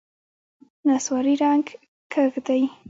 نسواري رنګ کږ دی.